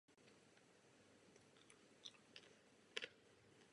Využívá se k plavení dřeva a zisku vodní energie.